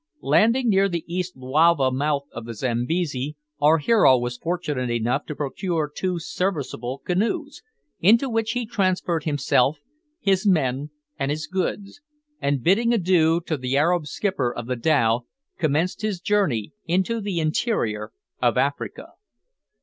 Landing near the East Luavo mouth of the Zambesi, our hero was fortunate enough to procure two serviceable canoes, into which he transferred himself, his men, and his goods, and, bidding adieu to the Arab skipper of the dhow, commenced his journey into the interior of Africa.